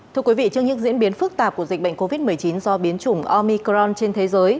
thưa quý vị trước những diễn biến phức tạp của dịch bệnh covid một mươi chín do biến chủng omicron trên thế giới